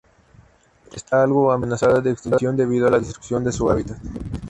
Está algo amenazada de extinción debido a la destrucción de su hábitat.